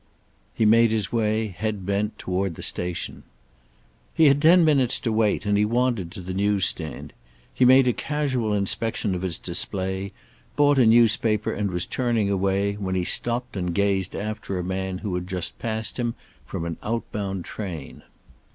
He made his way, head bent, toward the station. He had ten minutes to wait, and he wandered to the newsstand. He made a casual inspection of its display, bought a newspaper and was turning away, when he stopped and gazed after a man who had just passed him from an out bound train.